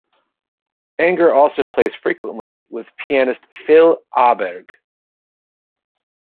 Anger also plays frequently with pianist Phil Aaberg.